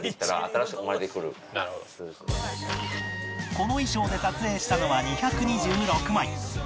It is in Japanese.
この衣装で撮影したのは２２６枚